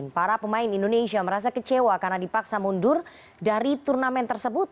para pemain indonesia merasa kecewa karena dipaksa mundur dari turnamen tersebut